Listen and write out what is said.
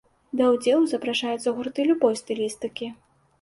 Да ўдзелу запрашаюцца гурты любой стылістыкі.